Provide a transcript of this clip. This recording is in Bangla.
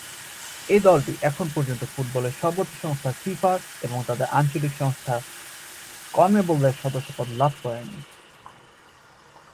এই দলটি এখন পর্যন্ত ফুটবলের সর্বোচ্চ সংস্থা ফিফার এবং তাদের আঞ্চলিক সংস্থা কনমেবলের সদস্যপদ লাভ করেনি।